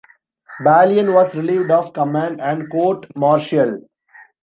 Balian was relieved of command and court-martialed.